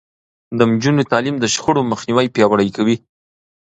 د نجونو تعليم د شخړو مخنيوی پياوړی کوي.